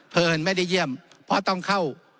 เอิญไม่ได้เยี่ยมเพราะต้องเข้า